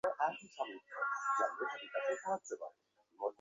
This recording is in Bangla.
বারকয়েক সে জোরে জোরে নিশ্বাস গ্রহণ করিল।